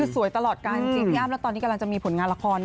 สวยตลอดการจริงพี่อ้ำแล้วตอนนี้กำลังจะมีผลงานละคร